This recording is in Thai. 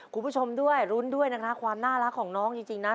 คุณผู้ชมด้วยรุ้นด้วยนะคะความน่ารักของน้องจริงนะ